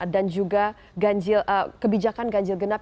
dan juga kebijakan ganjil genap